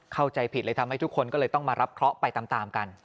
เข้าใจผิดเลยทำให้ทุกคนก็เลยต้องมารับเคราะห์ไปตามกัน